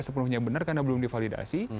sepenuhnya benar karena belum divalidasi